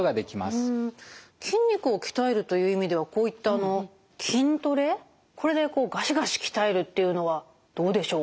筋肉を鍛えるという意味ではこういった筋トレこれでガシガシ鍛えるっていうのはどうでしょう？